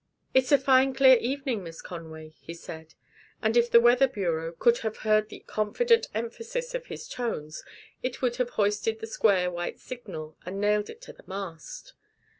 "It's a fine, clear evening, Miss Conway," he said; and if the Weather Bureau could have heard the confident emphasis of his tones it would have hoisted the square white signal and nailed it to the mast.